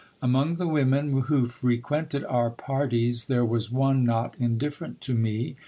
Among the women who frequented our parties, there was one not indifferent to me.